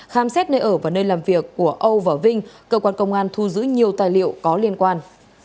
khám xét nơi ở và nơi làm việc của âu và vinh cơ quan công an thu giữ nhiều tài liệu có liên quan